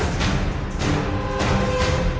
สถานการณ์ข้อมูล